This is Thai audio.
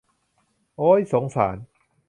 โอ้ย สงสาร